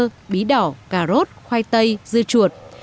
thơ bí đỏ cà rốt khoai tây dưa chuột